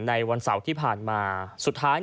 วันเสาร์ที่ผ่านมาสุดท้าย